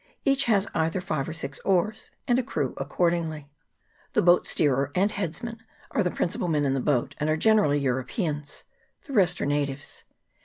Each has either five or six oars, and a crew accordingly. The boat steerer and headsmen are the principal men in the boat, and are generally Europeans ; the rest are natives.